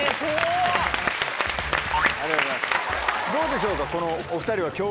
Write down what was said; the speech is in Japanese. どうでしょうかこの。